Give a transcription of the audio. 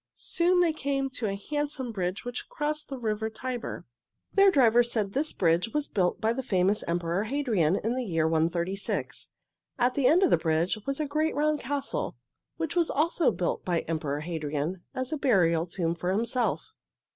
Soon they came to a handsome bridge which crossed the river Tiber. Their driver said this bridge was built by the famous Emperor Hadrian in the year 136. At the end of the bridge was a great round castle, which was also built by Emperor Hadrian, as a burial tomb for himself.